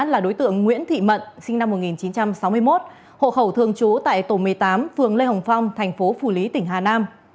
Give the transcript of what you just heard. là đối tượng nguyễn thị mận sinh năm một nghìn chín trăm sáu mươi một hộ khẩu thường trú tại tổ một mươi tám phường lê hồng phong thành phố phủ lý tỉnh hà nam